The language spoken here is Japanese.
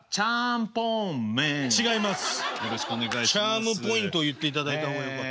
チャームポイントを言っていただいた方がよかった。